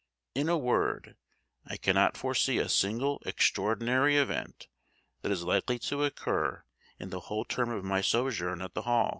In a word, I cannot foresee a single extraordinary event that is likely to occur in the whole term of my sojourn at the Hall.